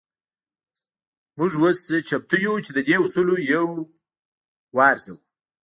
موږ اوس چمتو يو چې د دې اصولو يو وارزوو.